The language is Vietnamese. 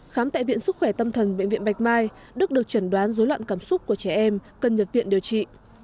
khám tại viện sức khỏe tâm thần bệnh viện bạch mai đức được chẩn đoán dối loạn cảm xúc của trẻ em cần nhập viện điều trị